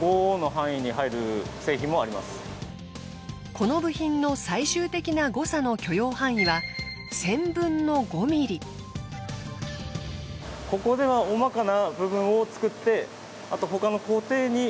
この部品の最終的な誤差の許容範囲は１０００分の５ｍｍ。っていう形になってますね。